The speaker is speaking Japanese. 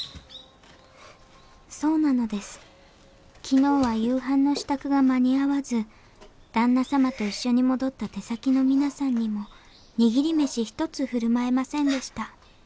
昨日は夕飯の支度が間に合わず旦那様と一緒に戻った手先の皆さんにも握り飯一つ振る舞えませんでした。